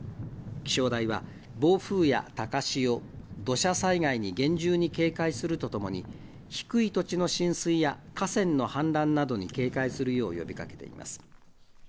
気象台は暴風や高潮、土砂災害に厳重に警戒するとともに低い土地の浸水や河川の氾濫などに警戒するよう呼びかけています。